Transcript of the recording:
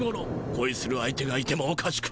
こいする相手がいてもおかしくはない。